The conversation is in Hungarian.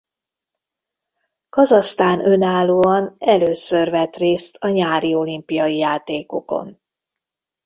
Kazahsztán önállóan először vett részt a nyári olimpiai játékokon.